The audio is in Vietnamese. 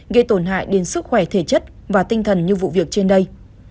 gây tổn hại đến sức khỏe thể chất và tinh thần như vụ việc trên đây